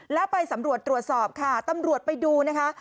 แล้วไปสำรวจตรวจสอบค่ะตำรวจไปดูนะคะ